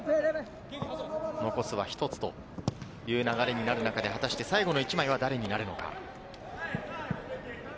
残すは一つという流れになる中で果たして最後の１枚は誰になるのか。